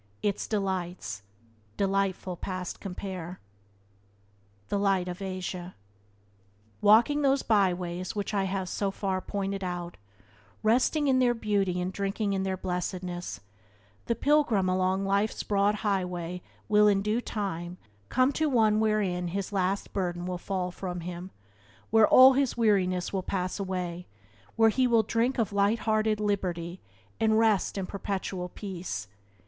Its delights, Delightful past compare." —The Light of Asia. ALKING those byways which I have so far pointed out, resting in their beauty and drinking in their blessedness, the pilgrim along life's broad highway will in due time come to one wherein his last burden will fall from him, where all his weariness will pass away, where he will drink of light hearted liberty, and rest in perpetual peace.